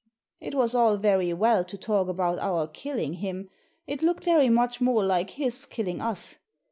It was all very well to talk about our killing him. It looked very much more like his killing us.